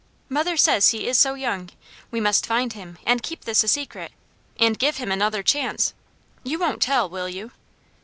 Mother says he is so young, we just must find him, and keep this a secret, and give him another chance. You won't tell, will you?"